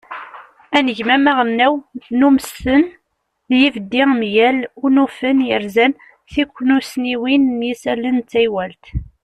anegmam aɣelnaw n umesten d yibeddi mgal unufen yerzan tiknussniwin n yisallen d teywalt